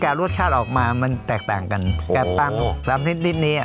แก่รสชาติออกมามันแตกแต่งกันแก่ปังสามนิดนิดนี้อ่ะ